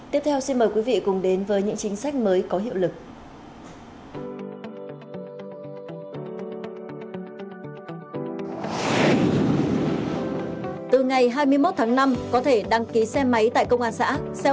tiếp theo xin mời quý vị cùng đến với những chính sách mới có hiệu lực